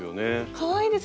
かわいいですね。